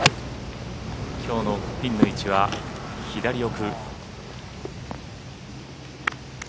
きょうのピンの位置は左奥。